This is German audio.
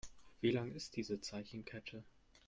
Wie lang ist diese Zeichenkette?